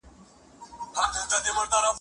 تا ته په تمه